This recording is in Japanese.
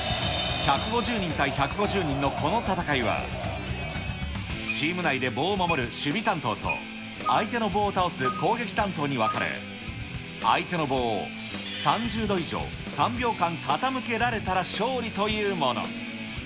１５０人対１５０人のこの戦いは、チーム内で棒を守る守備担当と、相手の棒を倒す攻撃担当に分かれ、相手の棒を３０度以上３秒間傾けられたら勝利というもの。